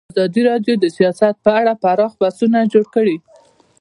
ازادي راډیو د سیاست په اړه پراخ بحثونه جوړ کړي.